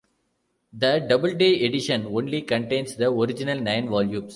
The Doubleday edition only contains the original nine volumes.